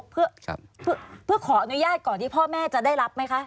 เพื่อขออนุญาตก่อนที่พ่อแม่จะได้รับไหมคะ